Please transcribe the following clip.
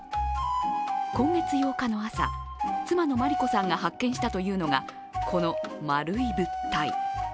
今月８日の朝、妻のまり子さんが発見したというのが、この丸い物体。